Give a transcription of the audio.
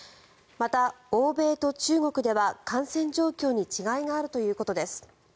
また、欧米と中国では感染状況に違いがあるということです。